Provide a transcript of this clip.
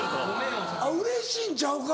うれしいんちゃうか？